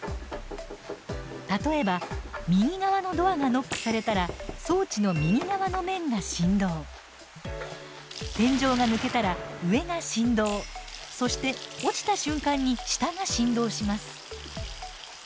例えば右側のドアがノックされたら装置の右側の面が振動天井が抜けたら、上が振動そして落ちた瞬間に下が振動します。